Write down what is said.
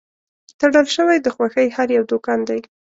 تړل شوی د خوښۍ هر یو دوکان دی